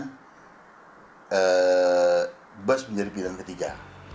jadi bus menjadi pilihan ketiga